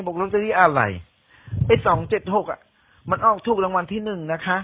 ลอตเตอรี่อะไรไอ้สองเจ็ดหกอ่ะมันออกถูกรางวัลที่หนึ่งนะคะ